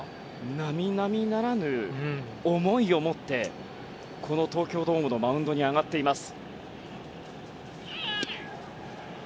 並々ならぬ思いを持ってこの東京ドームのマウンドに上がっています。